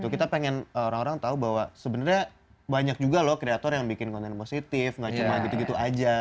kita pengen orang orang tahu bahwa sebenarnya banyak juga loh kreator yang bikin konten positif nggak cuma gitu gitu aja